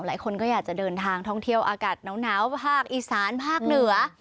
หลายคนก็อยากจะเดินทางท่องเที่ยวอากาศหนาวภาคอีสานภาคเหนือ